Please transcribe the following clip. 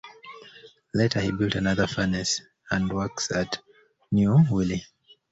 Later he built another furnace and works at New Willey.